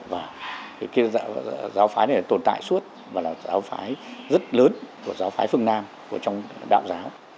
và cái giáo phái này tồn tại suốt và là giáo phái rất lớn của giáo phái phương nam của trong đạo giáo